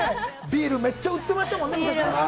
ビールめっちゃ売っていましたもんね。